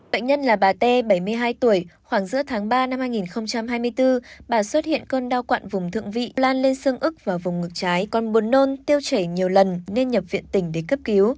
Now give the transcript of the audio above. bệnh nhân là bà t bảy mươi hai tuổi khoảng giữa tháng ba năm hai nghìn hai mươi bốn bà xuất hiện cơn đau quặn vùng thượng vị lan lên xương ức và vùng ngực trái con buồn nôn tiêu chảy nhiều lần nên nhập viện tỉnh để cấp cứu